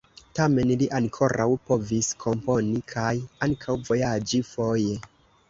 Tamen li ankoraŭ povis komponi kaj ankaŭ vojaĝi foje.